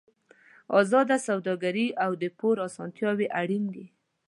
ازاده سوداګري او د پور اسانتیاوې اړین دي.